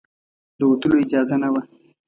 د وتلو اجازه نه وه.